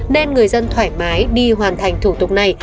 nên người dân thoải mái đi hoàn thành thủ tục này